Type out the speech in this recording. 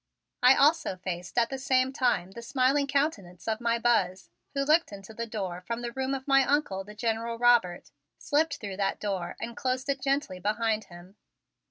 I also faced at the same time the smiling countenance of my Buzz, who looked into the door from the room of my Uncle, the General Robert, slipped through that door and closed it gently behind him.